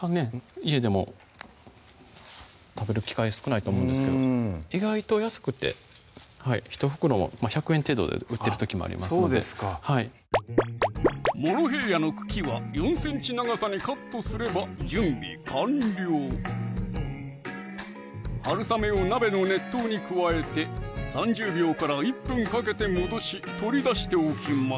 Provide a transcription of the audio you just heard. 家でも食べる機会少ないと思うんですけど意外と安くて１袋１００円程度で売ってる時もありますのでモロヘイヤの茎は４ｃｍ長さにカットすれば準備完了はるさめを鍋の熱湯に加えて３０秒から１分かけて戻し取り出しておきます